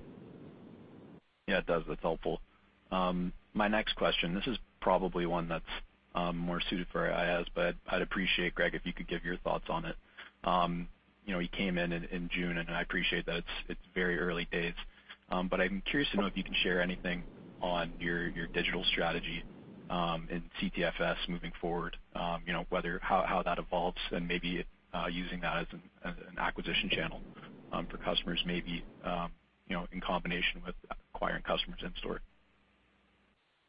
Speaker 8: It does. That's helpful. My next question, this is probably one that's more suited for Aayaz, but I'd appreciate, Greg, if you could give your thoughts on it. You came in in June, and I appreciate that it's very early days. I'm curious to know if you can share anything on your digital strategy, in CTFS moving forward. How that evolves and maybe using that as an acquisition channel for customers, maybe in combination with acquiring customers in store.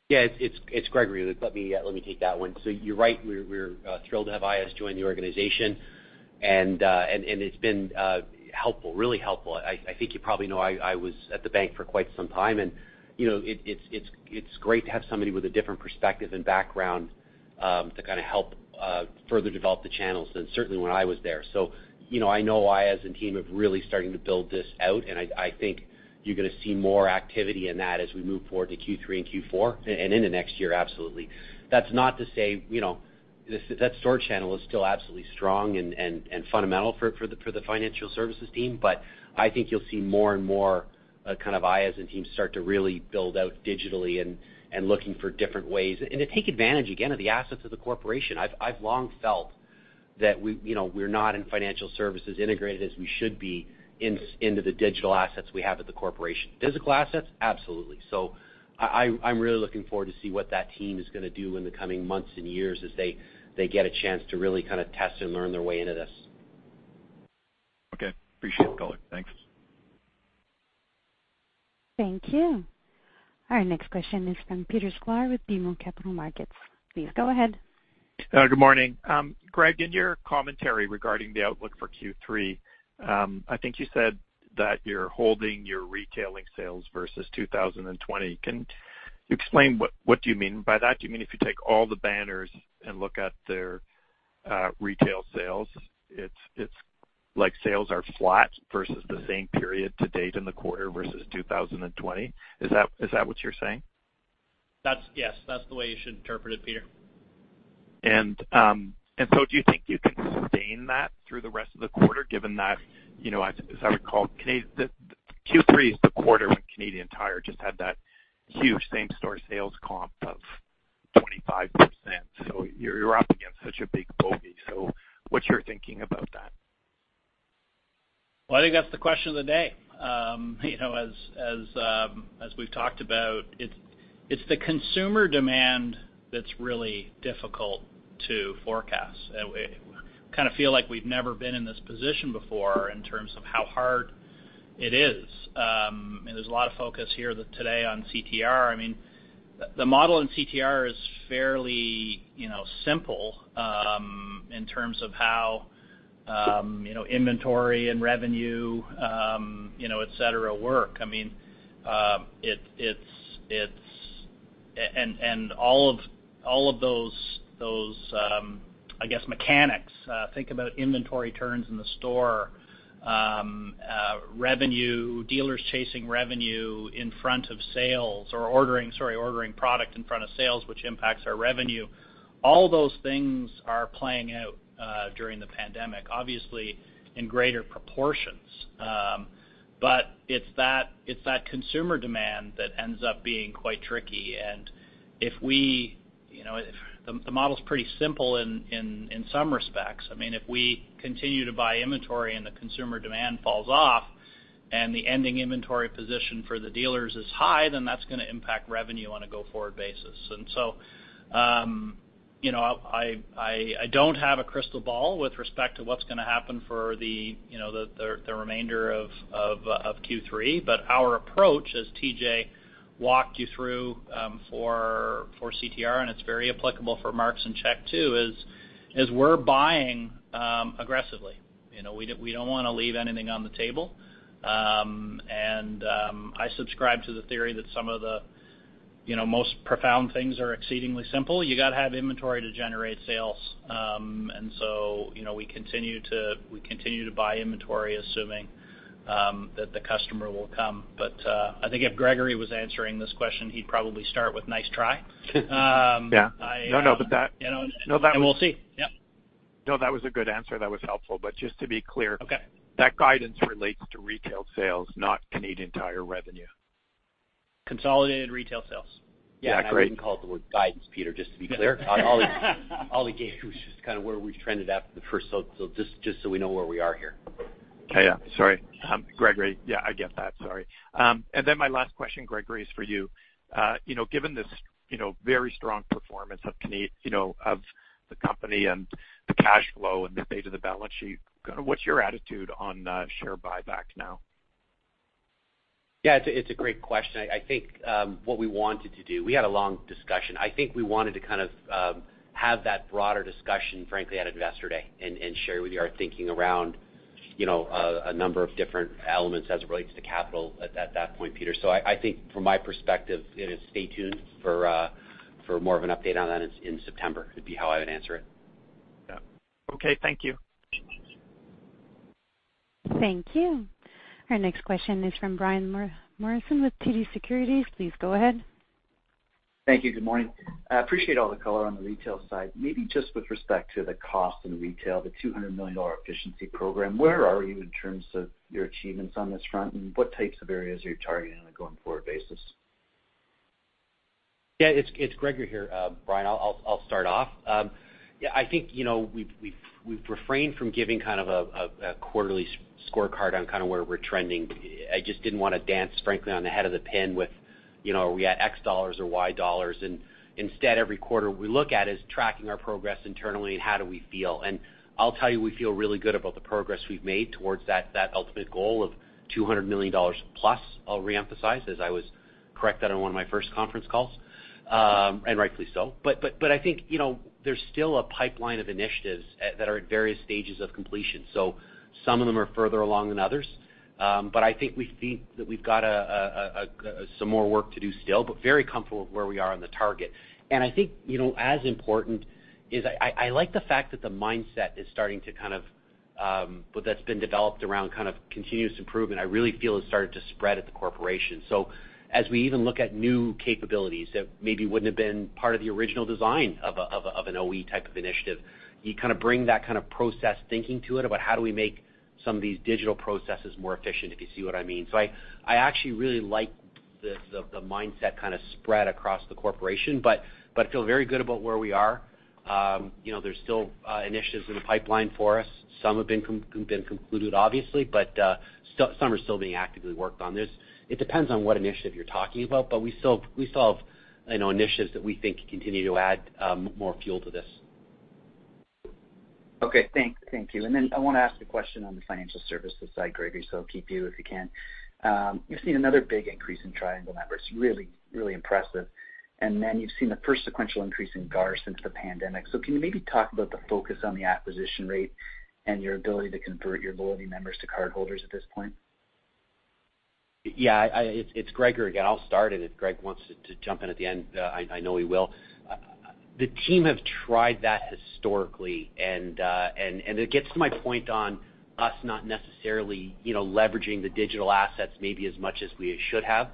Speaker 3: It's Gregory. Let me take that one. You're right. We're thrilled to have Aayaz join the organization and it's been really helpful. I think you probably know I was at the bank for quite some time and it's great to have somebody with a different perspective and background, to kind of help further develop the channels than certainly when I was there. I know Aayaz and team have really starting to build this out, and I think you're going to see more activity in that as we move forward to Q3 and Q4 and into next year absolutely. That's not to say that store channel is still absolutely strong and fundamental for the financial services team, but I think you'll see more and more kind of Aayaz and team start to really build out digitally and looking for different ways, and to take advantage again of the assets of the corporation. I've long felt that we're not in financial services integrated as we should be into the digital assets we have at the corporation. Physical assets, absolutely. I'm really looking forward to see what that team is going to do in the coming months and years as they get a chance to really kind of test and learn their way into this.
Speaker 8: Okay. Appreciate the color. Thanks.
Speaker 1: Thank you. Our next question is from Peter Sklar with BMO Capital Markets. Please go ahead.
Speaker 9: Good morning. Greg, in your commentary regarding the outlook for Q3, I think you said that you're holding your retailing sales versus 2020. Can you explain what do you mean by that? Do you mean if you take all the banners and look at their retail sales, it's like sales are flat versus the same period to date in the quarter versus 2020? Is that what you're saying?
Speaker 2: That's, yes. That's the way you should interpret it, Peter.
Speaker 9: Do you think you can sustain that through the rest of the quarter, given that, as I recall, Q3 is the quarter when Canadian Tire just had that huge same store sales comp of 25%. You're up against such a big bogey. What's your thinking about that?
Speaker 2: Well, I think that's the question of the day. As we've talked about, it's the consumer demand that's really difficult to forecast. Kind of feel like we've never been in this position before in terms of how hard it is. There's a lot of focus here today on CTR. The model in CTR is fairly simple in terms of how inventory and revenue et cetera work. All of those, I guess, mechanics, think about inventory turns in the store, revenue, dealers chasing revenue in front of sales or ordering product in front of sales, which impacts our revenue. All those things are playing out during the pandemic, obviously in greater proportions. It's that consumer demand that ends up being quite tricky and the model's pretty simple in some respects. If we continue to buy inventory and the consumer demand falls off and the ending inventory position for the dealers is high, then that's going to impact revenue on a go forward basis. I don't have a crystal ball with respect to what's going to happen for the remainder of Q3, but our approach, as TJ walked you through for CTR, and it's very applicable for Mark's and Chek too, is we're buying aggressively. We don't want to leave anything on the table. I subscribe to the theory that some of the most profound things are exceedingly simple. You got to have inventory to generate sales and so we continue to buy inventory assuming that the customer will come. I think if Gregory was answering this question, he'd probably start with, "Nice try.
Speaker 9: Yeah. No, but.
Speaker 2: We'll see. Yep.
Speaker 9: No, that was a good answer. That was helpful.
Speaker 2: Okay
Speaker 9: that guidance relates to retail sales, not Canadian Tire revenue.
Speaker 2: Consolidated retail sales.
Speaker 3: Yeah.
Speaker 9: Yeah, great.
Speaker 3: I wouldn't call it the word guidance, Peter, just to be clear on all the gauge, which is kind of where we've trended after the first sale so just so we know where we are here.
Speaker 9: Okay. Yeah, sorry. Gregory, yeah, I get that. Sorry. My last question, Gregory, is for you. Given this very strong performance of the company and the cash flow and the state of the balance sheet, kind of what's your attitude on share buyback now?
Speaker 3: Yeah, it's a great question. I think what we wanted to do, we had a long discussion. I think we wanted to kind of have that broader discussion, frankly, at Investor Day and share with you our thinking around a number of different elements as it relates to capital at that point, Peter. I think from my perspective, it is stay tuned for more of an update on that in September, would be how I would answer it.
Speaker 9: Yeah. Okay, thank you.
Speaker 1: Thank you. Our next question is from Brian Morrison with TD Securities. Please go ahead.
Speaker 10: Thank you. Good morning. I appreciate all the color on the retail side. Maybe just with respect to the cost in retail, the 200 million dollar efficiency program, where are you in terms of your achievements on this front, and what types of areas are you targeting on a going forward basis?
Speaker 3: Yeah, it's Gregory here, Brian. I'll start off. I think we've refrained from giving kind of a quarterly scorecard on kind of where we're trending. I just didn't want to dance, frankly, on the head of the pin with are we at X dollars or Y dollars. Instead, every quarter we look at is tracking our progress internally and how do we feel. I'll tell you, we feel really good about the progress we've made towards that ultimate goal of 200+ million dollars. I'll reemphasize, as I was correct that on one of my first conference calls, and rightfully so. I think there's still a pipeline of initiatives that are at various stages of completion. Some of them are further along than others. I think we feel that we've got some more work to do still, but very comfortable with where we are on the target. I think, as important is I like the fact that the mindset is starting to kind of that's been developed around kind of continuous improvement, I really feel has started to spread at the corporation. As we even look at new capabilities that maybe wouldn't have been part of the original design of an OE type of initiative, you kind of bring that kind of process thinking to it about how do we make some of these digital processes more efficient, if you see what I mean. I actually really like the mindset kind of spread across the corporation, but feel very good about where we are. There's still initiatives in the pipeline for us. Some have been concluded, obviously, but some are still being actively worked on. It depends on what initiative you're talking about, but we still have initiatives that we think continue to add more fuel to this.
Speaker 10: Okay. I want to ask a question on the financial services side, Gregory, so I'll keep you if you can. You've seen another big increase in Triangle members, really, really impressive. You've seen the first sequential increase in GAR since the pandemic. Can you maybe talk about the focus on the acquisition rate and your ability to convert your loyalty members to cardholders at this point?
Speaker 3: Yeah. It's Gregory again. I'll start, and if Greg wants to jump in at the end, I know he will. The team have tried that historically, and it gets to my point on us not necessarily leveraging the digital assets maybe as much as we should have.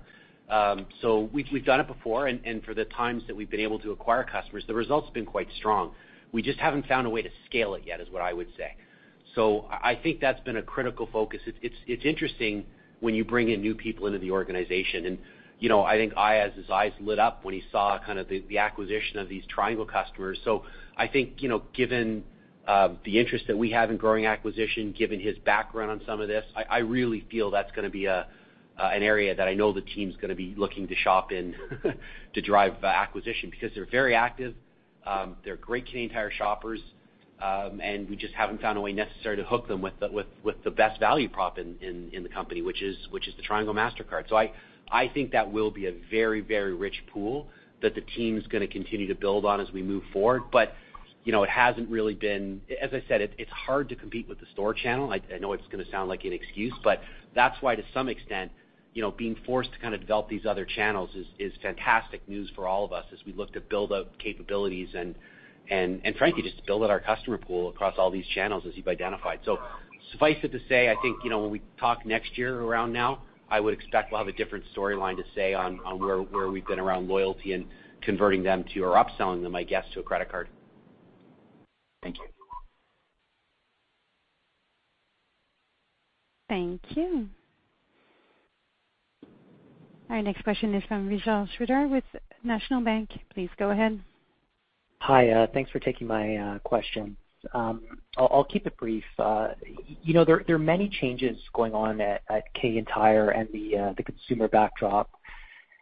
Speaker 3: We've done it before, and for the times that we've been able to acquire customers, the results have been quite strong. We just haven't found a way to scale it yet, is what I would say. I think that's been a critical focus. It's interesting when you bring in new people into the organization, and I think Aayaz's eyes lit up when he saw kind of the acquisition of these Triangle customers. I think, given the interest that we have in growing acquisition, given his background on some of this, I really feel that's going to be an area that I know the team's going to be looking to shop in to drive acquisition, because they're very active, they're great Canadian Tire shoppers, and we just haven't found a way necessarily to hook them with the best value prop in the company, which is the Triangle Mastercard. I think that will be a very, very rich pool that the team's going to continue to build on as we move forward. It hasn't really been, as I said, it's hard to compete with the store channel. I know it's going to sound like an excuse, but that's why, to some extent, being forced to kind of develop these other channels is fantastic news for all of us as we look to build out capabilities and frankly, just build out our customer pool across all these channels as you've identified. Suffice it to say, I think, when we talk next year around now, I would expect we'll have a different storyline to say on where we've been around loyalty and converting them to, or upselling them, I guess, to a credit card.
Speaker 10: Thank you.
Speaker 1: Thank you. Our next question is from Vishal Shreedhar with National Bank. Please go ahead.
Speaker 11: Hi. Thanks for taking my question. I'll keep it brief. There are many changes going on at Canadian Tire and the consumer backdrop,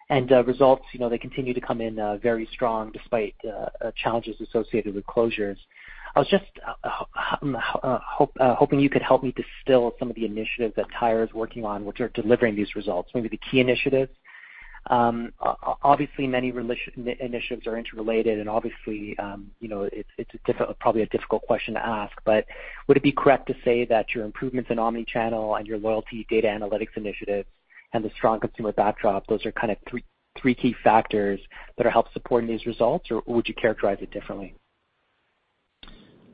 Speaker 11: and results, they continue to come in very strong despite challenges associated with closures. I was just hoping you could help me distill some of the initiatives that Tire is working on which are delivering these results, maybe the key initiatives. Obviously, many initiatives are interrelated, obviously it's probably a difficult question to ask, would it be correct to say that your improvements in omnichannel and your loyalty data analytics initiatives and the strong consumer backdrop, those are kind of three key factors that are help supporting these results, or would you characterize it differently?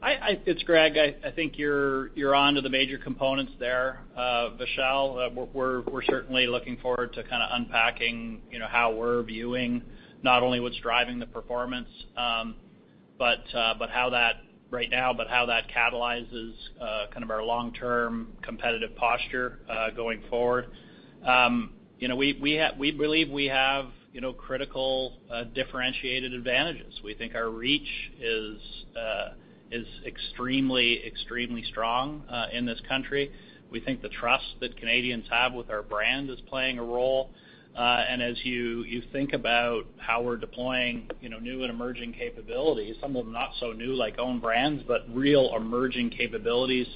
Speaker 2: It's Greg. I think you're on to the major components there, Vishal. We're certainly looking forward to kind of unpacking how we're viewing not only what's driving the performance right now, but how that catalyzes kind of our long-term competitive posture going forward. We believe we have critical differentiated advantages. We think our reach is extremely strong in this country. We think the trust that Canadians have with our brand is playing a role. As you think about how we're deploying new and emerging capabilities, some of them not so new, like own brands, but real emerging capabilities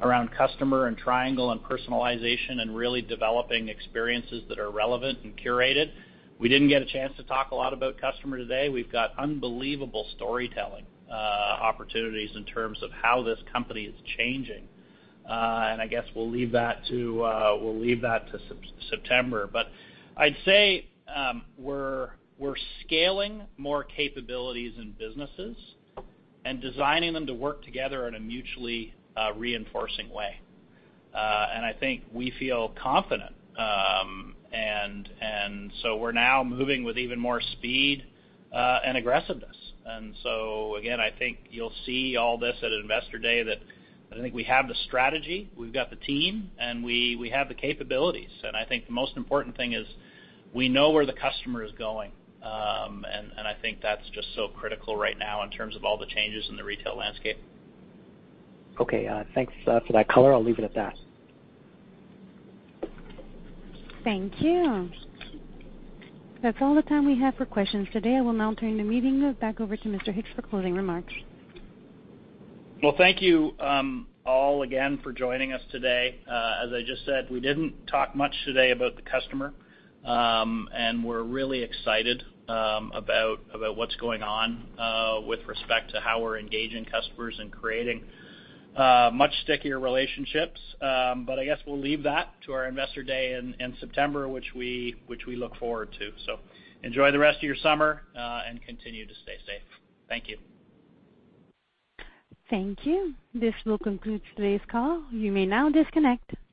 Speaker 2: around customer and Triangle and personalization and really developing experiences that are relevant and curated. We didn't get a chance to talk a lot about customer today. We've got unbelievable storytelling opportunities in terms of how this company is changing. I guess we'll leave that to September. I'd say we're scaling more capabilities in businesses and designing them to work together in a mutually reinforcing way. I think we feel confident. We're now moving with even more speed and aggressiveness. Again, I think you'll see all this at Investor Day that I think we have the strategy, we've got the team, and we have the capabilities. I think the most important thing is we know where the customer is going, and I think that's just so critical right now in terms of all the changes in the retail landscape.
Speaker 11: Okay. Thanks for that color. I'll leave it at that.
Speaker 1: Thank you. That is all the time we have for questions today. I will now turn the meeting back over to Mr. Hicks for closing remarks.
Speaker 2: Well, thank you all again for joining us today. As I just said, we didn't talk much today about the customer, and we're really excited about what's going on with respect to how we're engaging customers and creating much stickier relationships. I guess we'll leave that to our Investor Day in September, which we look forward to. Enjoy the rest of your summer, and continue to stay safe. Thank you.
Speaker 1: Thank you. This will conclude today's call. You may now disconnect.